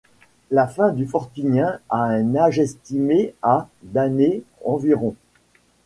La fin du Fortunien a un âge estimé à d'années environ.